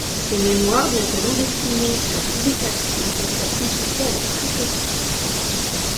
Ses mémoires, bien que non destinées à la publication, doivent être consultées avec précaution.